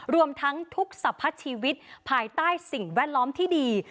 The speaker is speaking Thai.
รวมทั้งทุกสรรพัดชีวิตภายใต้สิ่งแวดล้อมที่ดี